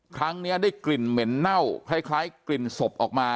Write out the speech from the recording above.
ครั้งนี้ได้กลิ่นเหม็นเน่าคล้ายกลิ่นศพออกมา